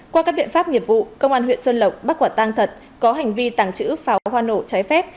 qua các biện pháp nghiệp vụ công an huyện xuân lộc bắt quả tăng thật có hành vi tàng trữ pháo hoa nổ trái phép